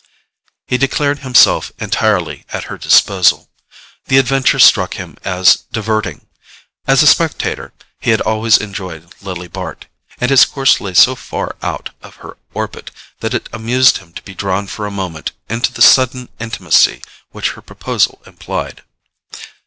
He declared himself entirely at her disposal: the adventure struck him as diverting. As a spectator, he had always enjoyed Lily Bart; and his course lay so far out of her orbit that it amused him to be drawn for a moment into the sudden intimacy which her proposal implied.